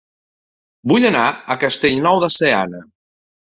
Vull anar a Castellnou de Seana